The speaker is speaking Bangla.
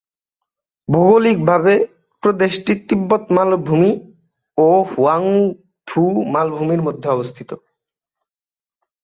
ভৌগলিকভাবে প্রদেশটি তিব্বত মালভূমি ও হুয়াং থু মালভূমির মধ্যে অবস্থিত।